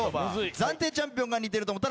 暫定チャンピオンが似てると思ったら赤。